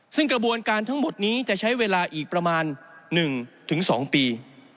ซึ่งกระบวนการทั้งหมดนี้จะใช้เวลาอีกประมาณ๑๒ปี